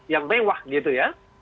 yang mewah gitu ya